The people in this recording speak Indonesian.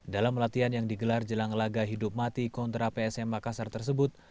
dalam latihan yang digelar jelang laga hidup mati kontra psm makassar tersebut